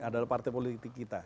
dalam partai politik kita